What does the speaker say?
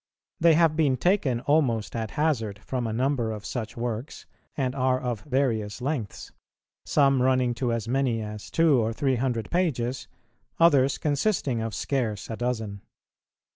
They have been taken almost at hazard from a number of such works, and are of various lengths; some running to as many as two or three hundred pages, others consisting of scarce a dozen.